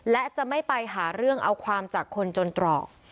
และจะไม่ไปหาเรื่องเอาความจากคนจนตรอก